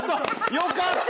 よかった